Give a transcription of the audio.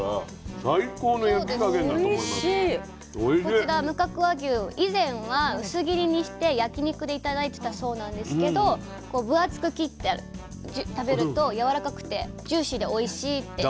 こちら無角和牛以前は薄切りにして焼き肉で頂いてたそうなんですけどこう分厚く切って食べるとやわらかくてジューシーでおいしいって。